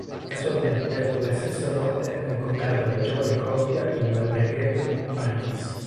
Casualmente, quella stessa notte, ha incontrato la giovane coppia in un alberghetto di Montparnasse.